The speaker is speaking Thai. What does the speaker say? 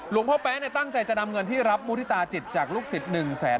พ่อแป๊ะตั้งใจจะนำเงินที่รับมุฒิตาจิตจากลูกศิษย์๑แสน